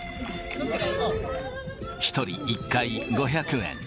１人１回５００円。